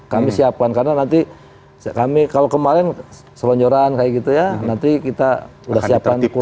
kami siapkan karena nanti kami kalau kemarin selonjoran kayak gitu ya nanti kita sudah siapkan kursi